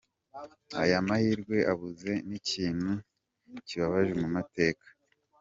Aya mahirwe abuze ni ikintu kibabaje mu mateka.